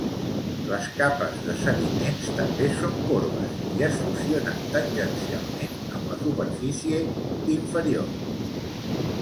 Les capes de sediments també són corbes i es fusionen tangencialment amb la superfície inferior.